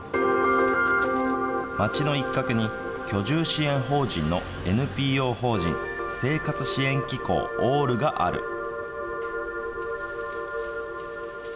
街の一角に、居住支援法人のＮＰＯ法人生活支援機構ＡＬＬがある。